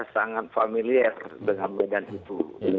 sangat familiar dengan medan itu